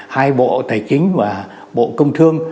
hai bộ tài chính và bộ công thương